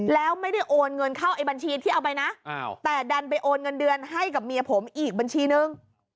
แล้วไม่ได้โอนเงินเข้าไอบัญชีที่เอาไปนะแต่ดันไปโอนเงินเดือนให้กับเมียผมอีกบัญชีนึง